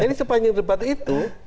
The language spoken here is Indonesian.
jadi sepanjang debat itu